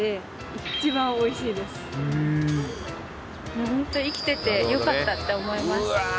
もうホント生きててよかったって思います。